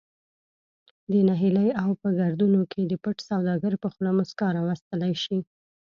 د نهیلي او په گردونو کی د پټ سوداگر په خوله مسکا راوستلې شي